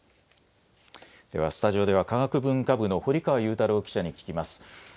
スタジオでは科学文化部の堀川雄太郎記者に聞きます。